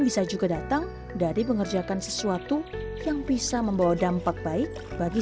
bisa juga datang dari mengerjakan sesuatu yang bisa membawa dampak baik bagi